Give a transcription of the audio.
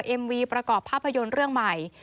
เอ็มวีประกอบภาพยนตร์เรื่องใหม่